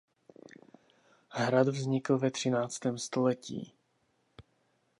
Hrad vznikl ve třináctém století.